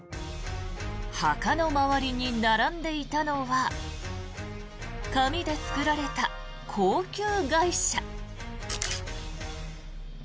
墓の周りに並んでいたのは紙で作られた高級外車。